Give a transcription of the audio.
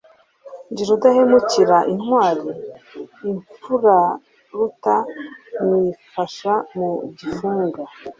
Ndi rudahemukira intwali, imfuruta nyifashe mu gifunga